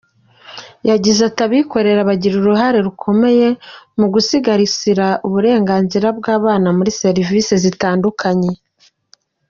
Yagize ati “Abikorera bagira uruhare rukomeye mu gusigasira uburenganzira bw’abana muri serivisi zitandukanye.